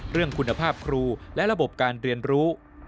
เรื่องคุณภาพครูและระบบการเรียนรู้